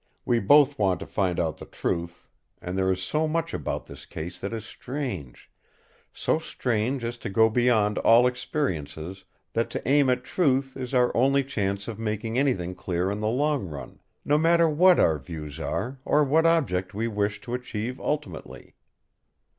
We both want to find out the truth; and there is so much about this case that is strange—so strange as to go beyond all experiences—that to aim at truth is our only chance of making anything clear in the long run—no matter what our views are, or what object we wish to achieve ultimately!"